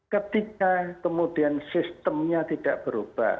ketika kemudian sistemnya tidak berubah